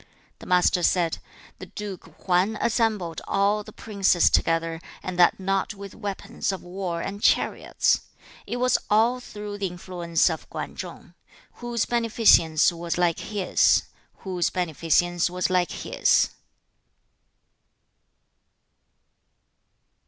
The Master said, 'The Duke Hwan assembled all the princes together, and that not with weapons of war and chariots: it was all through the influence of Kwan Chung. Whose beneficence was like his? Whose beneficence was like his?'